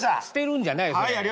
捨てるんじゃないよ。